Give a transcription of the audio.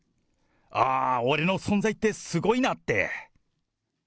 ああ、俺の存在ってすごいなって。